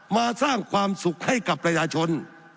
มาสร้างความสุขให้กับประชาชน